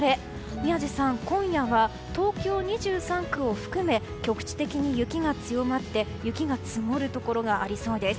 宮司さん、今夜は東京２３区を含め局地的に雪が強まって積もるところがありそうです。